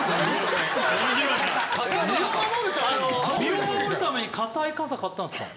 身を守るために硬い傘買ったんすか？